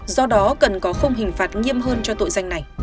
do đó cần có không hình phạt nghiêm hơn cho tội danh này